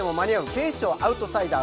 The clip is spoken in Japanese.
「警視庁アウトサイダー」